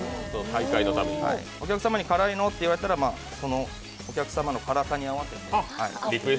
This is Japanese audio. お客様に辛いのをっていわれたら、お客様の好みに合わせて。